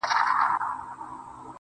دا څه ليونى دی بيـا يـې وويـل,